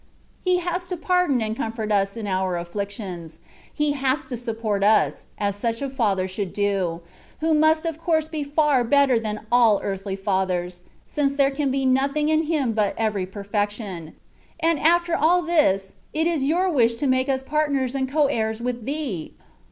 He has to pardon and to comfort us in our affictions ; He has to support us, as such a Father should do, who must of course be far better than all earthly fathers, since there can be nothing in Him but every perfection ; and after all this, it is Your wish to make us partners and co heirs with Thee